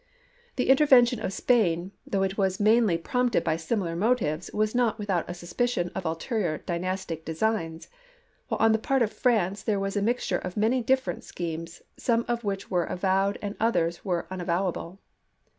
The intervention of Spain, though it was mainly prompted by similar motives, was not with out a suspicion of ulterior dynastic designs ; while on the part of France there was a mixture of many different schemes, some of which were avowed and others were unavowable.